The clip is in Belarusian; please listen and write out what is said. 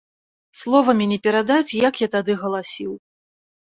Словамі не перадаць, як я тады галасіў!